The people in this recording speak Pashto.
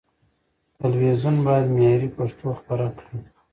تلويزيون بايد معياري پښتو خپره کړي.